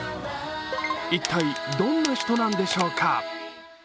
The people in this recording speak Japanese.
一体、どんな人なんでしょうか？